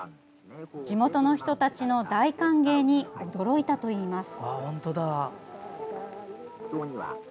地元の人たちの大歓迎に驚いたといいます。